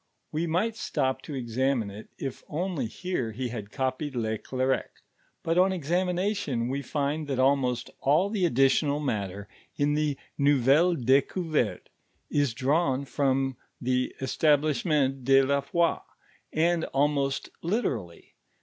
We might stop to examine it, if only here he had copied le ( It rcrj; but, on txamination, we find that almost oil the additional matter in the Konvelle Dcroiii'crte is drawn from the KtahliiM ment de la Foi, and almost literally.